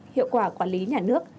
hiệu quả quản lý nhà nước